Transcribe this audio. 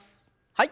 はい。